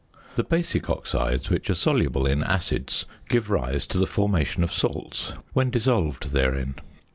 The basic oxides, which are soluble in acids, give rise to the formation of salts when dissolved therein.